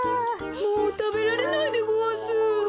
もうたべられないでごわす。